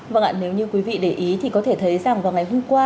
vâng ạ nếu như quý vị để ý thì có thể thấy rằng vào ngày hôm qua